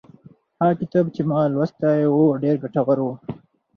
هغه کتاب چې ما لوستی و ډېر ګټور و.